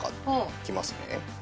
いきますね。